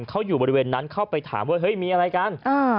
เขาอยู่บริเวณนั้นเข้าไปถามว่าเฮ้ยมีอะไรกัน